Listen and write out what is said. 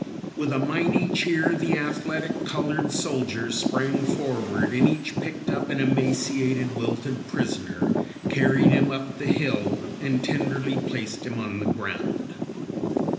With a mighty cheer the athletic colored soldiers sprang forward and each picked up an emaciated, wilted prisoner, carried him up the hill, and tenderly placed him on the ground.